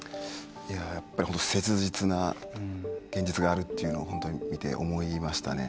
やっぱり切実な現実があるというのを本当に見て、思いましたね。